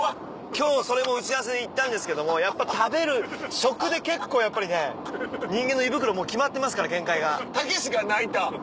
今日それも打ち合わせで言ったんですけどもやっぱ食べる食で結構やっぱりね人間の胃袋もう決まってますから限界が。